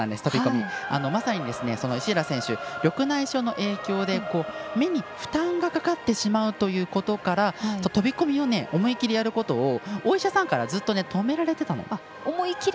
まさに、石浦選手緑内障の影響で目に負担がかかってしまうということから飛び込みを思い切りやることをお医者さんからずっと止められてたの。